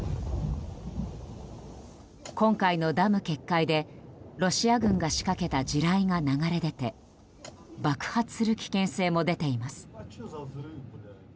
今回のダム決壊でロシア軍が仕掛けた地雷が流れ出て爆発する危険性も出ています。